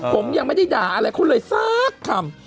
ผมยังไม่ได้ด่าอะไรเขาเลยสักคำ